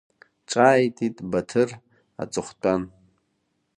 Ҿааиҭит Баҭыр аҵыхәтәан.